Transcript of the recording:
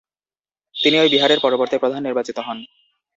তিনি ঐ বিহারের পরবর্তী প্রধান নির্বাচিত হন।